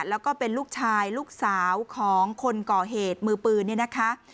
แล้วก็เป็นลูกชายลูกสาวของคนก่อเหตุมือปืนเนี่ยนะคะ